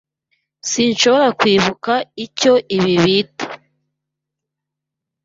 Sinshobora kwibuka icyo ibi bita.